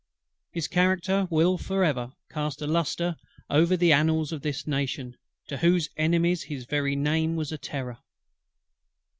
His character will for ever cast a lustre over the annals of this nation, to whose enemies his very name was a terror.